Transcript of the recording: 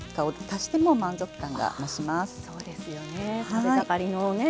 食べ盛りのね